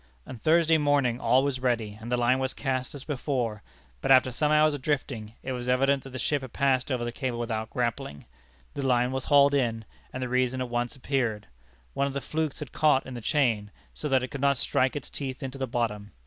On Thursday morning all was ready, and the line was cast as before, but after some hours of drifting, it was evident that the ship had passed over the cable without grappling. The line was hauled in, and the reason at once appeared. One of the flukes had caught in the chain, so that it could not strike its teeth into the bottom.